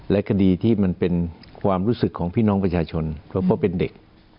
และคดีที่มันเป็นความรู้สึกของพี่น้องประชาชนเพราะเป็นเด็ก